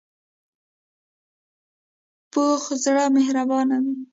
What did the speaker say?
پوخ زړه مهربانه وي